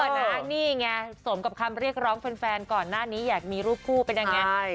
นี่ไงสมกับคำเรียกร้องแฟนก่อนหน้านี้อยากมีรูปคู่เป็นยังไง